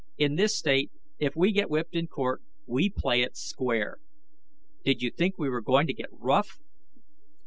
In this state, if we get whipped in court, we play it square. Did you think we were going to get rough?"